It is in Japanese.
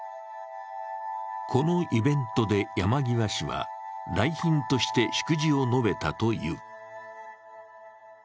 このイベントで山際氏は来賓として祝辞を述べたという。